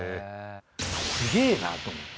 すげえなと思って。